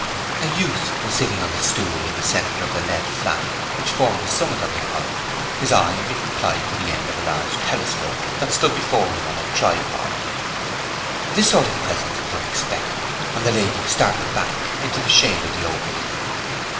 A youth was sitting on a stool in the centre of the lead flat which formed the summit of the column, his eye being applied to the end of a large telescope that stood before him on a tripod. This sort of presence was unexpected, and the lady started back into the shade of the opening.